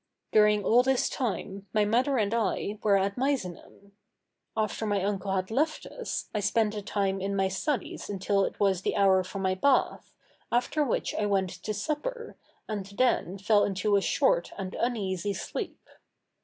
During all this time my mother and I were at Misenum. After my uncle had left us, I spent the time in my studies until it was the hour for my bath, after which I went to supper, and then fell into a short and uneasy sleep.